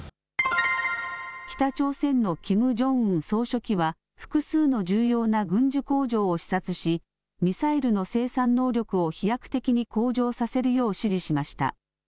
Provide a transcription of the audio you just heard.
北朝鮮のキム・ジョンウン総書記は複数の重要な軍需工場を視察しミサイルの生産能力を飛躍的に向上させるよう指示しました。